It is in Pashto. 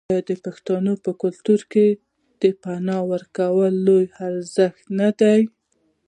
آیا د پښتنو په کلتور کې د پنا ورکول لوی ارزښت نه دی؟